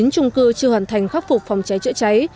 hai mươi chín trung cư chưa hoàn thành khắc phục phòng cháy trựa cháy